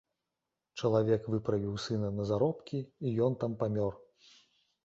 Чалавек выправіў сына на заработкі, і ён там памёр.